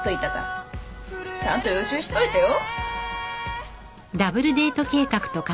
ちゃんと予習しといてよ。